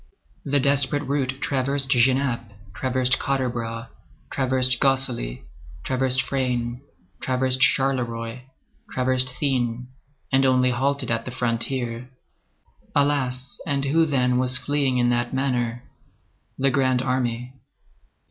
The desperate route traversed Genappe, traversed Quatre Bras, traversed Gosselies, traversed Frasnes, traversed Charleroi, traversed Thuin, and only halted at the frontier. Alas! and who, then, was fleeing in that manner? The Grand Army.